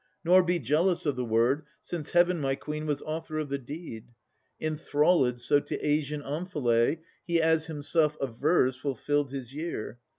Nor be jealous of the word, Since Heaven, my Queen, was author of the deed. Enthrallèd so to Asian Omphalè, He, as himself avers, fulfilled his year.